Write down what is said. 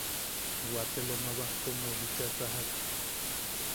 Wate Loma Baskommeu bicha sajak.